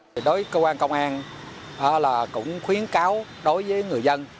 đối với công an công an cũng khuyến cáo đối với người dân